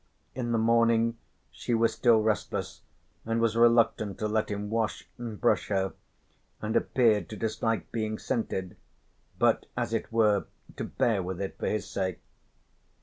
In the morning she was still restless, and was reluctant to let him wash and brush her, and appeared to dislike being scented but as it were to bear with it for his sake.